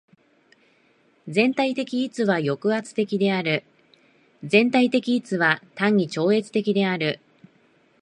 全体的一は抑圧的である。全体的一は単に超越的である。